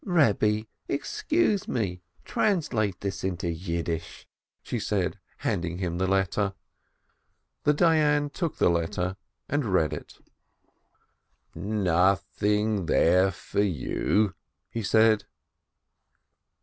"Rebbe, excuse me, translate this into Yiddish," she said, handing him the letter. The Dayan took the letter and read it. 528 ASCH "Nothing there for you/' he said.